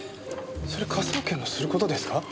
それ科捜研のする事ですか？